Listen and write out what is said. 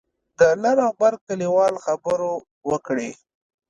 د لر او بر کلیوال خبرو وکړې.